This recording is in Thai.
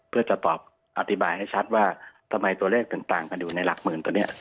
เพื่อจะตอบอธิบายให้ชัดว่าทำไมตัวเลขต่างมันอยู่ในหลักหมื่นตัวนี้